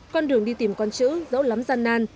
con đường đi tìm con chữ dẫu lắm gian nan